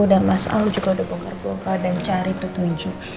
dan mas al juga udah bongkar bongkar dan cari petunjuk